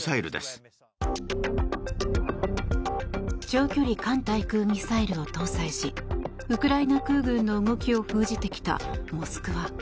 長距離艦対空ミサイルを搭載しウクライナ空軍の動きを封じてきた「モスクワ」。